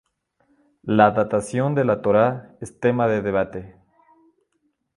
La datación de la Torá es tema de debate.